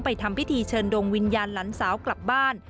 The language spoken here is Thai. ทำพิธีเชิญดวงวิญญาณหลานสาวกลับบ้าน